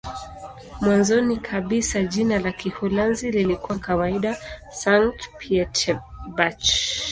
Mwanzoni kabisa jina la Kiholanzi lilikuwa kawaida "Sankt-Pieterburch".